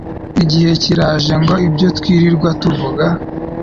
igihe kiraje ngo ibyo twirirwa tuvuga